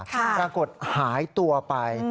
กลางกฎหายตัวไป